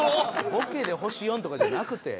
ボケで星４とかじゃなくて。